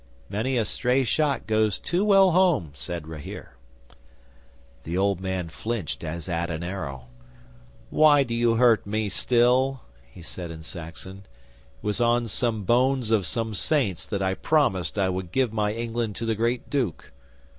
'"Many a stray shot goes too well home," said Rahere. 'The old man flinched as at an arrow. "Why do you hurt me still?" he said in Saxon. "It was on some bones of some Saints that I promised I would give my England to the Great Duke."